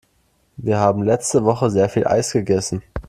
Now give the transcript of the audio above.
Wir haben letzte Woche sehr viel Eis gegessen.